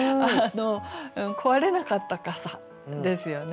壊れなかった傘ですよね。